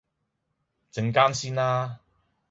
陣間先啦